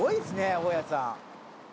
大家さん。